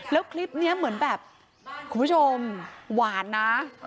แล้วคลิปนี้เหมือนแบบคุณผู้ชมหวานนะ